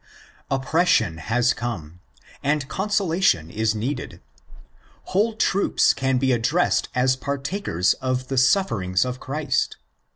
Oppression has come, and consolation is needed : whole troops can be addressed as partakers of the sufferings of Christ (i.